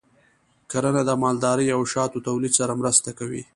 کرنه د مالدارۍ او شاتو تولید سره مرسته کوي.